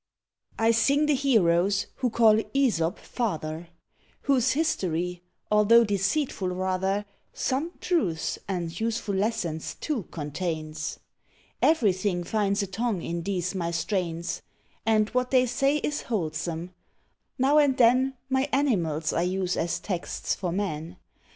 I sing the heroes who call Æsop father, Whose history, although deceitful rather, Some truths and useful lessons, too, contains. Everything finds a tongue in these my strains; And what they say is wholesome: now and then My animals I use as texts for men.